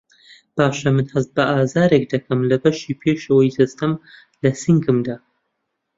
باشه من هەست بە ئازارێک دەکەم لە بەشی پێشەوەی جەستەم له سنگمدا